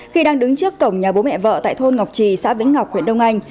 khi đang đứng trước cổng nhà bố mẹ vợ tại thôn ngọc trì xã vĩnh ngọc huyện đông anh